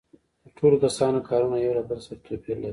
د ټولو کسانو کارونه یو له بل سره توپیر لري